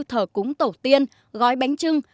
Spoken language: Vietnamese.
thở cúng tổ tiên gói bánh trưng